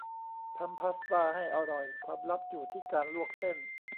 ทำพาสต้าให้อร่อย ความลับอยู่ที่การลวกเส้น